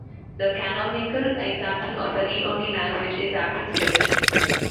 The canonical example of a read-only language is AppleScript.